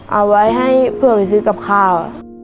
เอาไว้ให้เพื่อไปซื้อกับข้าว